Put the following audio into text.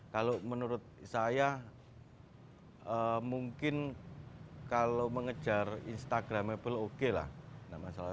kalau menurut saya mungkin kalau mengejar instagramable oke lah